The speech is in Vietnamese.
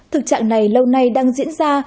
thực trạng này lâu nay đang diễn ra